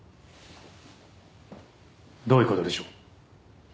どういう事でしょう？